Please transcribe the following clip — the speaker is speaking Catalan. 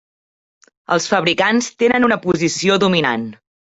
Els fabricants tenen una posició dominant.